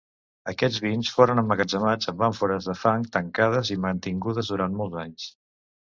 Aquests vins foren emmagatzemats en àmfores de fang tancades i mantingudes durant molts anys.